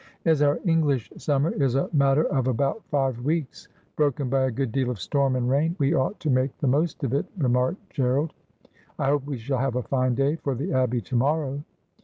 ' As our English summer is a matter of about five weeks, broken by a good deal of storm and rain, we ought to make the most of it,' remarked Gerald. ' I hope we shall have a fine day for the Abbey to morrow.'